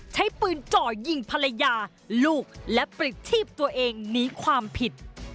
ใช้ปืนจ่อยิงภรรยาลูกและปลิดชีพตัวเองหนีความผิด